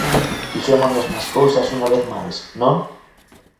Fixémonos nas cousas unha vez máis, ¿non?